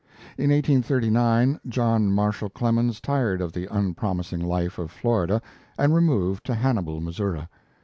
In 1839, John Marshall Clemens tired of the unpromising life of Florida and removed to Hannibal, Missouri.